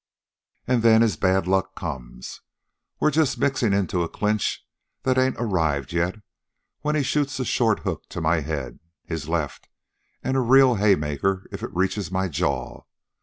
"An' then his bad luck comes. We're just mixin' into a clinch that ain't arrived yet, when he shoots a short hook to my head his left, an' a real hay maker if it reaches my jaw.